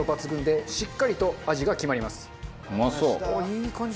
いい感じ。